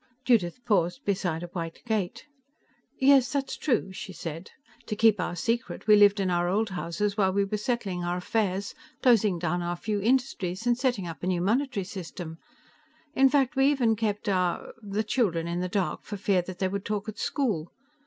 Judith paused beside a white gate. "Yes, that's true," she said. "To keep our secret, we lived in our old houses while we were settling our affairs, closing down our few industries and setting up a new monetary system. In fact, we even kept our ... the children in the dark for fear that they would talk at school.